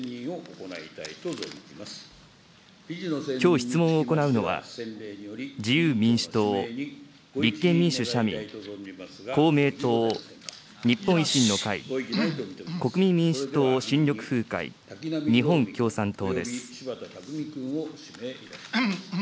きょう、質問を行うのは、自由民主党、立憲民主・社民、公明党、日本維新の会、国民民主党・新緑風会、日本共産党です。